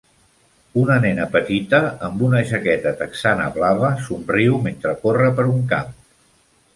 Una nena petita amb una jaqueta texana blava somriu mentre corre per un camp.